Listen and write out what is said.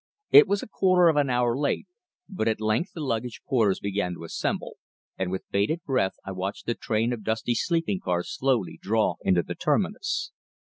It was a quarter of an hour late, but at length the luggage porters began to assemble, and with bated breath I watched the train of dusty sleeping cars slowly draw into the terminus.